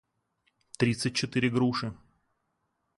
тридцать четыре груши